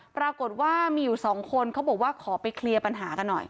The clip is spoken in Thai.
ปรากฏว่ามีอยู่สองคนเขาบอกว่าขอไปเคลียร์ปัญหากันหน่อย